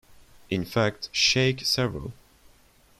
In fact, shake several.